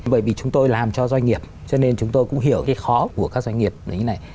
bởi vì chúng tôi làm cho doanh nghiệp cho nên chúng tôi cũng hiểu cái khó của các doanh nghiệp như thế này